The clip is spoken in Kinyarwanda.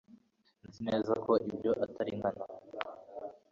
Nzi neza ko ibyo atari nkana